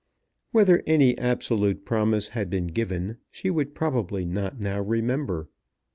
Whether any absolute promise had been given she would probably not now remember.